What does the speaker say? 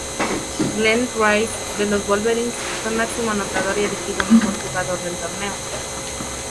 Glen Rice, de los Wolverines fue máximo anotador y elegido Mejor Jugador del Torneo.